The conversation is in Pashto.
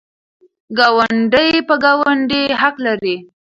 ګاونډی په ګاونډي حق لري.